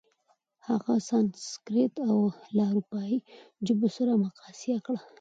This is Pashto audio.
هغه سانسکریت له اروپايي ژبو سره مقایسه کړه.